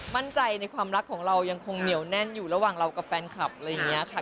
มั่นใจในความรักของเรายังคงเหนียวแน่นอยู่ระหว่างเรากับแฟนคลับอะไรอย่างนี้ค่ะ